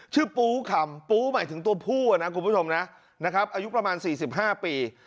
ปูคำปูหมายถึงตัวผู้นะคุณผู้ชมนะนะครับอายุประมาณ๔๕ปี